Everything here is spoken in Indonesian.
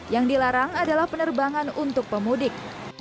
yang dilarang adalah penerbangan untuk pemudik